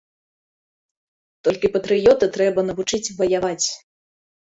Толькі патрыёта трэба навучыць ваяваць.